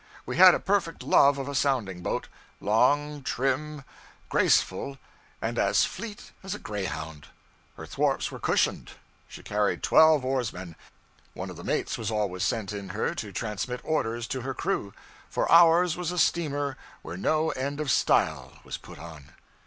We had a perfect love of a sounding boat long, trim, graceful, and as fleet as a greyhound; her thwarts were cushioned; she carried twelve oarsmen; one of the mates was always sent in her to transmit orders to her crew, for ours was a steamer where no end of 'style' was put on.